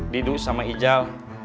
didu sama ijal